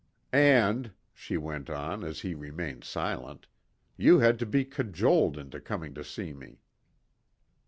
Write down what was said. "And," she went on, as he remained silent, "you had to be cajoled into coming to see me."